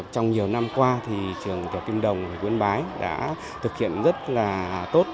trong nhiều năm qua trường tiểu kim đồng quyên bái đã thực hiện rất là tốt